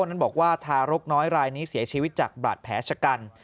นั้นบอกว่าทารกน้อยรายนี้เสียชีวิตจากบาดแผลชะกัน